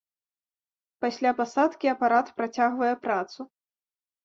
Пасля пасадкі апарат працягвае працу.